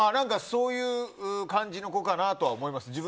そういう感じの子かなとは思います。